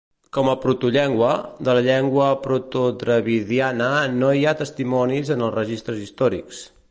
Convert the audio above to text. Com a protollengua, de la llengua protodravidiana no hi ha testimonis en els registres històrics.